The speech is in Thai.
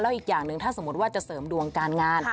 อีกอย่างหนึ่งถ้าสมมติว่าจะเสริมดวงการงาน